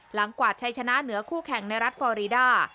หลังกว่าใช้ชนะเหนือคู่แข่งในรัฐฟอรีดา